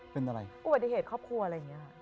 เป็นอะไรอุบัติเหตุครอบครัวอะไรอย่างนี้